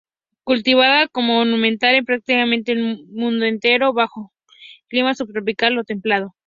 Cultivada como ornamental en prácticamente el mundo entero, bajo clima subtropical o templado.